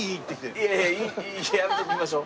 いやいややめておきましょう。